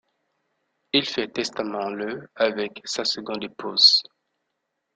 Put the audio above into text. Il fait testament le avec sa seconde épouse.